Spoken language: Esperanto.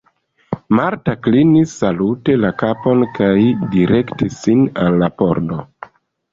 Marta klinis salute la kapon kaj direktis sin al la pordo.